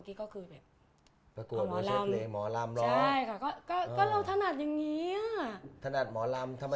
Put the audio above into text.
มีเพลงฝันกลุ่ม